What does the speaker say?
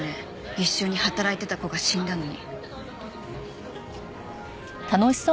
一緒に働いてた子が死んだのに。